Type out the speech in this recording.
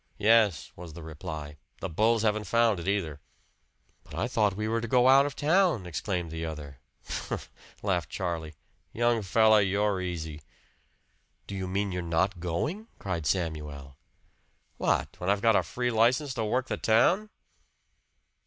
"Yes," was the reply. "The bulls haven't found it, either!" "But I thought we were to go out of town!" exclaimed the other. "Humph!" laughed Charlie. "Young fellow, you're easy!" "Do you mean you're not going?" cried Samuel. "What! When I've got a free license to work the town?"